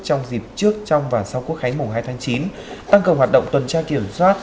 trong dịp trước trong và sau quốc khánh mùng hai tháng chín tăng cường hoạt động tuần tra kiểm soát